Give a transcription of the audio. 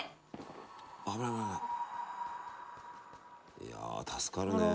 いや助かるね。